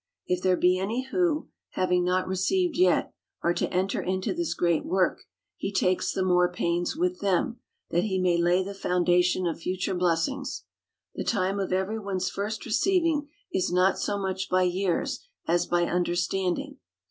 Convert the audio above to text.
If there be any who, having not received yet, are to enter into this great work, he takes the more pains with them, that he may lay the foundation of future blessings. The time of every one's first receiving is not so much by years, as by understanding.